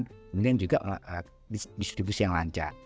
kemudian juga distribusi yang lancar